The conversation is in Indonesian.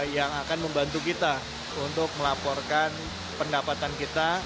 yang akan membantu kita untuk melaporkan pendapatan kita